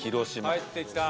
帰ってきた。